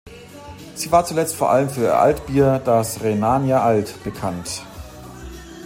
Sie war zuletzt vor allem für ihr Altbier, das "Rhenania Alt", bekannt.